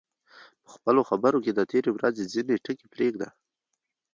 په خپلو خبرو کې د تېرې ورځې ځینې ټکي پرېږده.